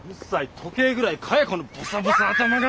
時計ぐらい買えこのボサボサ頭が！